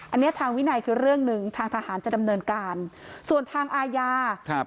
อันนี้ทางวินัยคือเรื่องหนึ่งทางทหารจะดำเนินการส่วนทางอาญาครับ